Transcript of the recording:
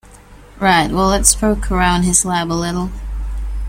Right, well let's poke around his lab a little.